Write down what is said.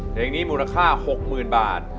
เพลงนี้มูลค่า๖หมื่นบาท